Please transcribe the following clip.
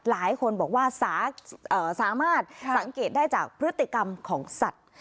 หลายคนบอกว่าสามารถสังเกตได้จากพฤติกรรมของสัตว์